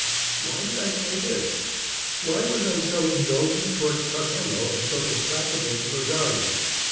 Why did I say this? Why was I so indulgent towards Carmelo and so implacable to Rosario?